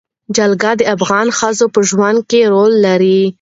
جلګه د افغان ښځو په ژوند کې رول لري.